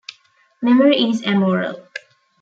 Memory is amoral.